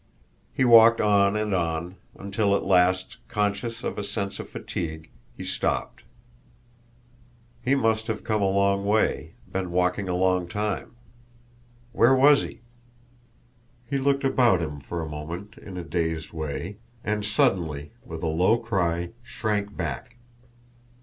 He walked on and on, until at last, conscious of a sense of fatigue, he stopped. He must have come a long way, been walking a long time. Where was he? He looked about him for a moment in a dazed way and suddenly, with a low cry, shrank back.